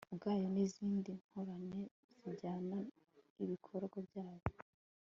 bwayo n izindi ngorane zijyana n ibikorwa byayo